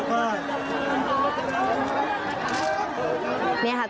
น้องพระเจริญก็ถึง